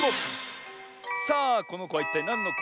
さあこのこはいったいなんのこでしょう？